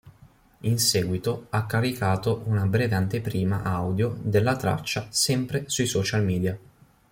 In seguito ha caricato una breve anteprima audio della traccia sempre sui social media.